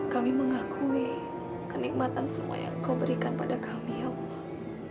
kami mengakui kenikmatan semua yang kau berikan pada kami ya allah